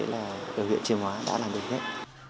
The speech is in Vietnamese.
đó là điều kiện chiêm hóa đã làm được hết